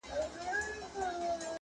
خدای راکړي تېزي سترگي غټ منگول دئ!